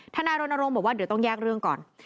ท่านไนโรนโรงบอกว่าเดี๋ยวต้องแยกเรื่องก่อน